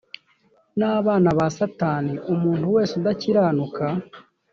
n abana ba satani umuntu wese udakiranuka